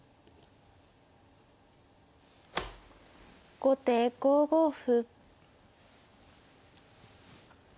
後手５五歩。